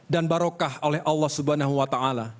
dan barokah oleh allah swt